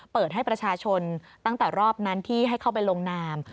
เปิดให้ประชาชนตั้งแต่รอบนั้นที่ให้เข้าไปลงนาม